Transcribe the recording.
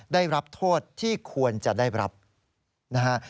ได้รับโทษที่ควรจะได้รับนะฮะ